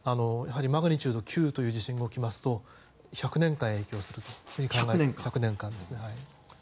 マグニチュード９という地震が起きると１００年間影響すると思います。